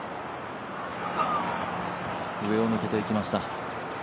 上を抜けていきました。